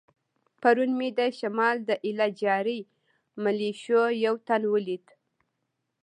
پرون مې د شمال د ایله جاري ملیشو یو تن ولید.